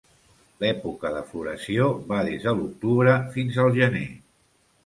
L'època de floració va des de l'octubre fins al gener.